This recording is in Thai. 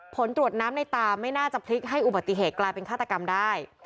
ผลตรวจน้ำในตาไม่น่าจะพลิกให้อุบัติเหตุกลายเป็นฆาตกรรมได้